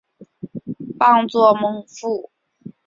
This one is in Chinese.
榜作孟富。